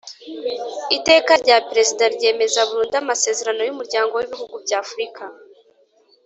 Iteka rya Perezida ryemeza burundu amasezerano y Umuryango w Ibihugu by Afurika